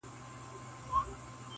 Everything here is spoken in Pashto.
یاره ستا خواږه کاته او که باڼه وي,